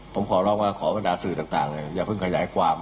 ผมขอร้องว่าขอบรรดาสื่อต่างเลยอย่าเพิ่งขยายความ